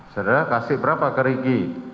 sodara kasih berapa kerigi